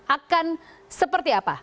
akan seperti apa